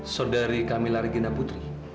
saudari kamilah regina putri